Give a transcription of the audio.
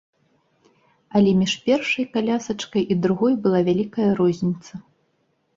Але між першай калясачкай і другой была вялікая розніца.